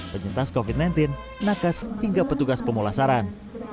penyintas covid sembilan belas nakes hingga petugas pemulasaran